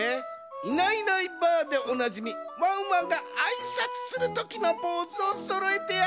「『いないいないばあっ！』でおなじみワンワンがあいさつするときのポーズ」をそろえてや！